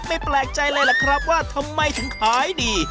แปลกใจเลยล่ะครับว่าทำไมถึงขายดี